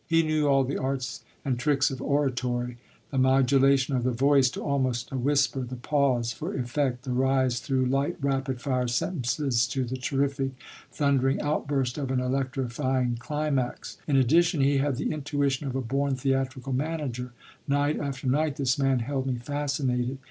He knew all the arts and tricks of oratory, the modulation of the voice to almost a whisper, the pause for effect, the rise through light, rapid fire sentences to the terrific, thundering outburst of an electrifying climax. In addition, he had the intuition of a born theatrical manager. Night after night this man held me fascinated.